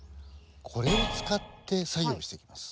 これを使って作業をしていきます。